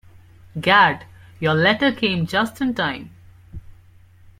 Gad, your letter came just in time.